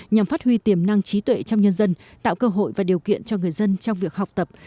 nhằm phát huy tiềm năng trí tuệ trong nhân dân tạo cơ hội và điều kiện cho người dân trong việc học tập